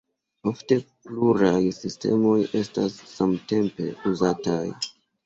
Ofte pluraj sistemoj estas samtempe uzataj.